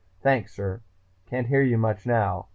Thanks, sir.... Can't hear you much now.